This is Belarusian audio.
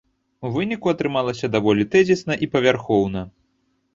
У выніку атрымалася даволі тэзісна і павярхоўна.